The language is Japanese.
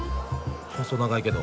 細長いけど。